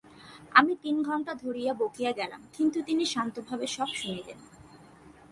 আমি তিন ঘণ্টা ধরিয়া বকিয়া গেলাম, কিন্তু তিনি শান্তভাবে সব শুনিলেন।